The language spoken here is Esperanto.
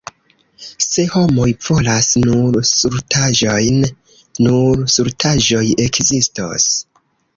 Se homoj volas nur stultaĵojn, nur stultaĵoj ekzistos.